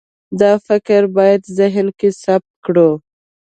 دا فکر باید ذهن کې ثبت کړو.